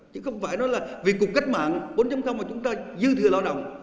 chứ không phải nói là vì cuộc cách mạng bốn mà chúng ta dư thừa lao động